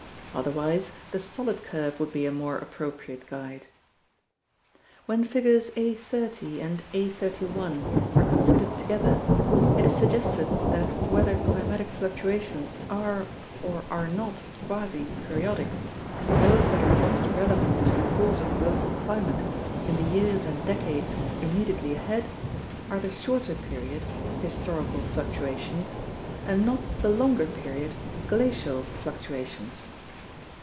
Otherwise, the solid curve would be a more appropriate guide. When Figures A. 30 and A. 31 are considered together, it is suggested that whether climatic fluctuations are or are not quasi periodic, those that are most relevant to the course of global climate in the years and decades immediately ahead are the shorter period (historical) fluctua tions and not the longer period (glacial) fluctuations.